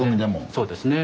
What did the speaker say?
そうですね。